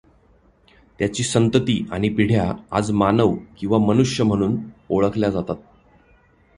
त्याची संतती आणि पिढ्या आज मानव किंवा मनुष्य म्हणून ओळखल्या जातात.